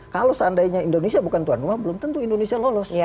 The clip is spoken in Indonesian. kalau seandainya indonesia bukan tuan rumah belum tentu indonesia lolos